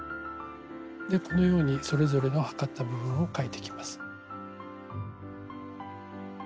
このようにそれぞれの測った部分を書いていきます。